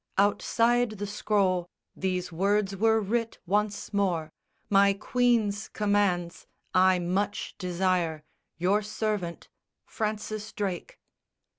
Outside the scroll These words were writ once more "My Queen's commands I much desire, your servant, Francis Drake."